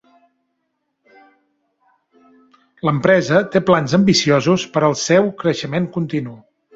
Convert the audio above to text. L'empresa té plans ambiciosos per al seu creixement continu.